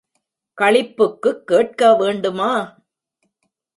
களிப்புக்குக் கேட்க வேண்டுமா?